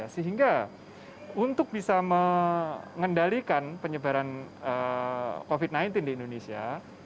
sehingga untuk bisa mengendalikan penyebaran covid sembilan belas di indonesia